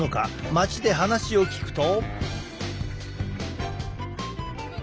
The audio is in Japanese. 街で話を聞くと。